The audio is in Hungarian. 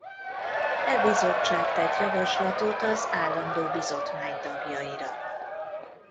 E bizottság tett javaslatot az állandó bizottmány tagjaira.